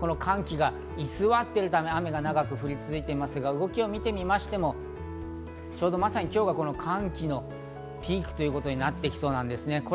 この寒気が居座っているため、雨が長く降り続いていますが、動きを見てみましても、まさに今日がこの寒気のピークということになっていきそうです。